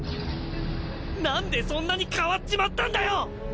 何でそんなに変わっちまったんだよ！